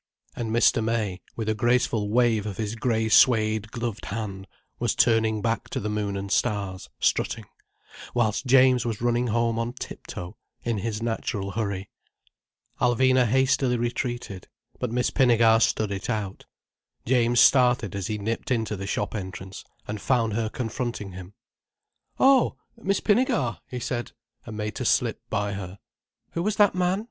And Mr. May, with a graceful wave of his grey suède gloved hand, was turning back to the Moon and Stars, strutting, whilst James was running home on tip toe, in his natural hurry. Alvina hastily retreated, but Miss Pinnegar stood it out. James started as he nipped into the shop entrance, and found her confronting him. "Oh—Miss Pinnegar!" he said, and made to slip by her. "Who was that man?"